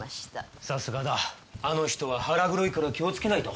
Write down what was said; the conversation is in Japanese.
あの人は腹黒いから気をつけないと。